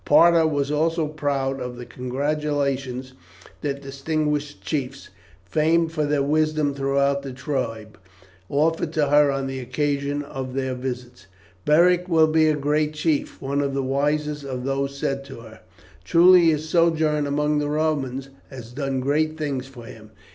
Parta was also proud of the congratulations that distinguished chiefs, famed for their wisdom throughout the tribe, offered to her on the occasion of their visits. "Beric will be a great chief," one of the wisest of these said to her; "truly his sojourn among the Romans has done great things for him.